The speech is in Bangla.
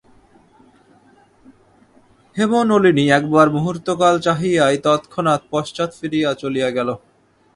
হেমনলিনী একবার মুহূর্তকাল চাহিয়াই তৎক্ষণাৎ পশ্চাৎ ফিরিয়া চলিয়া গেল।